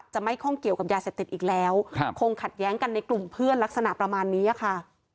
ไม่ข้องเกี่ยวกับยาเสพติดอีกแล้วคงขัดแย้งกันในกลุ่มเพื่อนลักษณะประมาณนี้ค่ะ